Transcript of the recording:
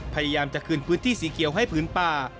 พยายามจะคืนพื้นที่สีเขียวให้พื้นป่า